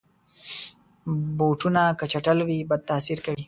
بوټونه که چټل وي، بد تاثیر کوي.